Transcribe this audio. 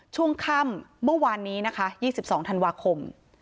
ช่วงค่ำเมื่อวานนี้นะคะ๒๒ธันวาคม